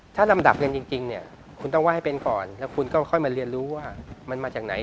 ถ้าลำดับกันจริงเนี่ยคุณต้องว่าให้เป็นก่อนแล้วคุณก็ค่อยมาเรียนรู้ว่ามันมาจากไหน